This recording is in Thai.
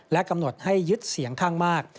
และกำหนดให้ยึดเสียงข้างมาก